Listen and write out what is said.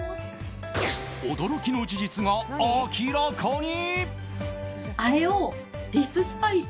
驚きの事実が明らかに。